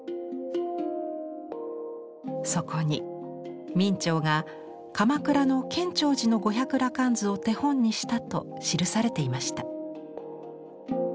そこに明兆が鎌倉の建長寺の「五百羅漢図」を手本にしたと記されていました。